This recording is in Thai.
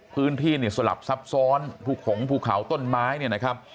พื้นพี่สลับซับซ้อนผูกขงผูเขาต้นไม้